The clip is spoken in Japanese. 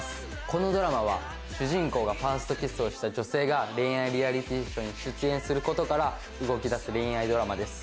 このドラマは主人公がファーストキスをした女性が恋愛リアリティーショーに出演することから動きだす恋愛ドラマです。